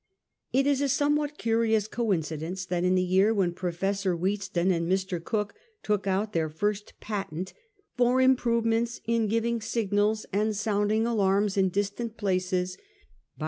It is a somewhat curious coincidence, that in the year when Professor Wheatstone and Mr. Cooke took out their first patent 'for improvements in giving signals and sounding alarms in distant places by 1837 — 8